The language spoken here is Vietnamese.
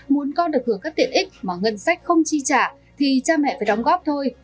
muốn con được hưởng các tiện ích mà ngân sách không chi trả thì cha mẹ phải đóng góp thôi